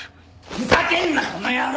ふざけんなこの野郎！